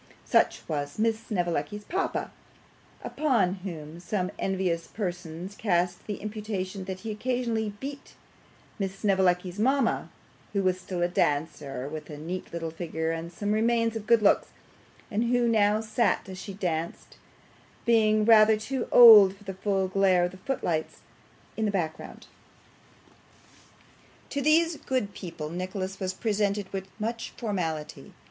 Such was Miss Snevellicci's papa, upon whom some envious persons cast the imputation that he occasionally beat Miss Snevellicci's mama, who was still a dancer, with a neat little figure and some remains of good looks; and who now sat, as she danced, being rather too old for the full glare of the foot lights, in the background. To these good people Nicholas was presented with much formality.